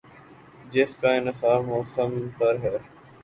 جس کا انحصار موسم پر ہے ۔